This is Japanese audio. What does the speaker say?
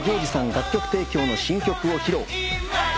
楽曲提供の新曲を披露。